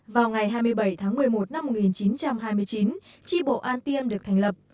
vào ngày hai mươi bảy tháng một mươi một năm một nghìn chín trăm hai mươi chín tri bộ an tiêm được thành lập